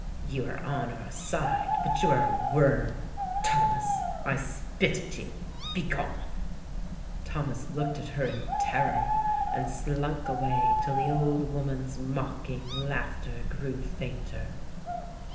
"You are on our side, but you are a worm; Thomas, I spit at you, begone." Thomas looked at her in terror and slunk away till the old woman's mocking laughter grew fainter.